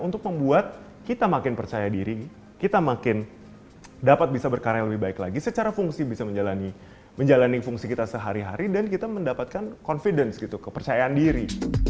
untuk membuat kita makin percaya diri kita makin dapat bisa berkarya lebih baik lagi secara fungsi bisa menjalani fungsi kita sehari hari dan kita mendapatkan confidence gitu kepercayaan diri